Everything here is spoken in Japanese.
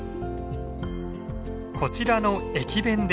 こちらの駅弁です。